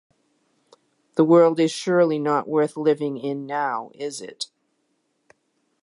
The world is surely not worth living in now, is it?